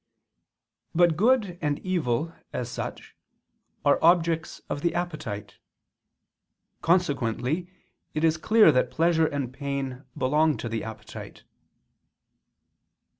But good and evil, as such, are objects of the appetite. Consequently it is clear that pleasure and pain belong to the appetite.